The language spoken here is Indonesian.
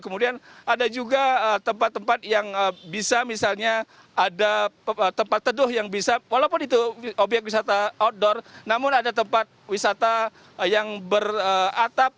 kemudian ada juga tempat tempat yang bisa misalnya ada tempat teduh yang bisa walaupun itu obyek wisata outdoor namun ada tempat wisata yang beratap